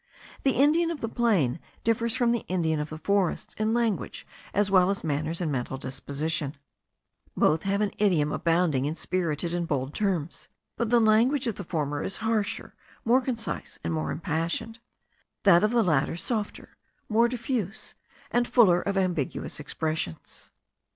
The Indian of the plains differs from the Indian of the forests in language as well as manners and mental disposition; both have an idiom abounding in spirited and bold terms; but the language of the former is harsher, more concise, and more impassioned; that of the latter, softer, more diffuse, and fuller of ambiguous expressions.